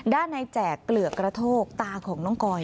ด้านในแจกเกลือกกระโทกตาของน้องกอย